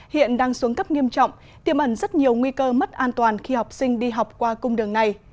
hiện đang xuống cấp nghiêm trọng tiêm ẩn rất nhiều nguy cơ mất an toàn khi học sinh đi học qua cung đường này